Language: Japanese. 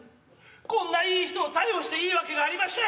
こんないい人を逮捕していいわけがありましぇん。